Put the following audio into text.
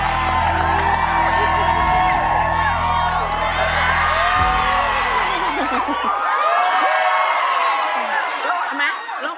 สวัสดีครับ